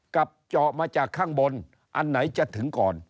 เจาะมาจากข้างบนอันไหนจะถึงก่อน